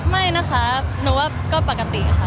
ไม่นะคะหนูว่าก็ปกติค่ะ